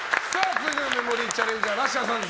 続いてのメモリーチャレンジャーはラッシャーさんです。